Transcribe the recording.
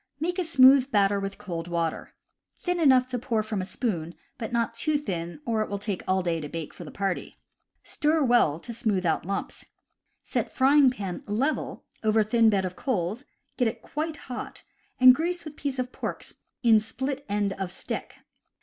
Make a smooth batter with cold water — thin enough to pour from a spoon, but not too thin, or it will take all day to bake enough for the party. Stir well, to smoothe out lumps. Set frying pan level over thin bed of coals, get it quite hot, and grease with piece of pork in split end of stick.